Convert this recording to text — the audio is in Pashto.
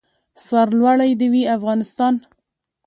سر لوړی د وي افغانستان.